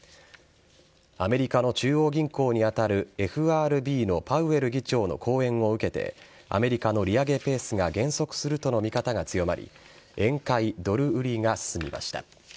アメリカの中央銀行に当たるＦＲＢのパウエル議長の講演を受けてアメリカの利上げペースが減速するとの見方が強まり円買いドル売りが進みました。